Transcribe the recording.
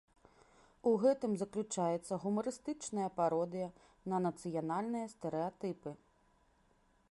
У гэтым заключаецца гумарыстычная пародыя на нацыянальныя стэрэатыпы.